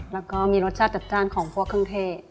แล้วก็มีรสชาติจัดจ้านของพวกเครื่องเทศ